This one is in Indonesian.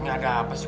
nggak ada apa sih